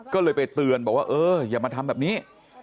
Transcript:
ก็เลยไปเตือนบอกว่าเอออย่ามาทำแบบนี้